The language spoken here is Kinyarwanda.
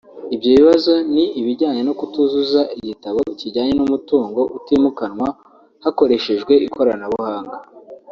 Ibyo bibazo ni ibijyanye no kutuzuza igitabo kijyanye n’umutungo utimukanwa hakoreshejwe ikoranabuhanga